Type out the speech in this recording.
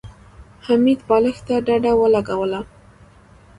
حميد بالښت ته ډډه ولګوله.